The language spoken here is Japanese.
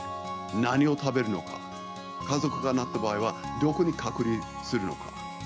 何を食べるのか、家族がなった場合はどこに隔離するのか。